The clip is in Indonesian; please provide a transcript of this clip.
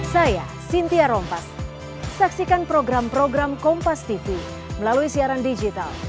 saya cynthia rompas saksikan program program kompas tv melalui siaran digital